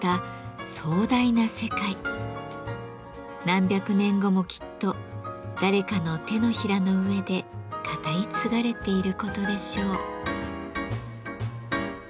何百年後もきっと誰かの手のひらの上で語り継がれていることでしょう。